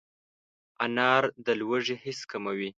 انار د لوږې حس کموي.